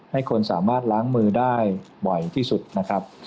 ให้คนสามารถล้างมือได้บ่อยที่สุดนะครับ